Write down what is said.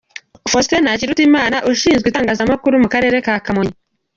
Faustin Ntakirutimana Ushinzwe Itangazamakuru mu Karere ka Kamonyi.